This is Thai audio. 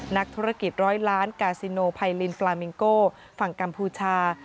นักธุรกิจร้อยล้านกาซิโนไพลินปลามิงโก้ฝั่งกัมพูชา